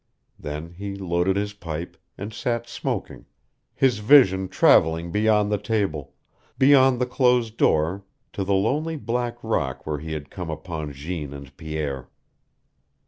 Then he loaded his pipe, and sat smoking, his vision traveling beyond the table, beyond the closed door to the lonely black rock where he had come upon Jeanne and Pierre.